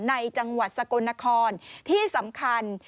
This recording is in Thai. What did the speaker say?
ในจังหวัดสกลนครที่สำคัญ